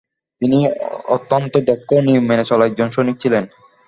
তিনি অতন্ত্য দক্ষ ও নিয়ম মেনে চলা একজন সৈনিক ছিলেন।